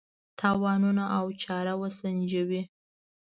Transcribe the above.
تاوانونه او چاره وسنجوي.